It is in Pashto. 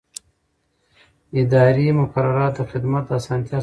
اداري مقررات د خدمت د اسانتیا سبب کېږي.